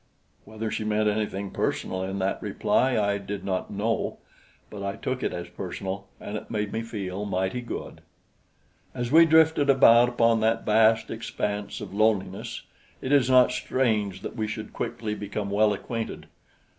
Whether she meant anything personal in that reply I did not know; but I took it as personal and it made me feel mighty good. As we drifted about upon that vast expanse of loneliness it is not strange that we should quickly become well acquainted.